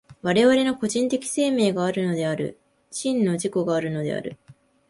我々の個人的生命があるのである、真の自己があるのである。